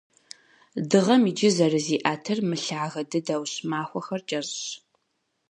Дыгъэм иджы зэрызиӏэтыр мылъагэ дыдэущ, махуэхэр кӏэщӏщ.